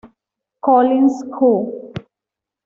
Collins, Co.